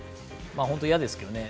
本当に嫌ですけどね。